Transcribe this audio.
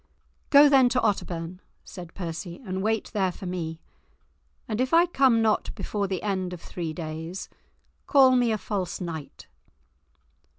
"Go then to Otterbourne," said Percy, "and wait there for me, and if I come not before the end of three days, call me a false knight."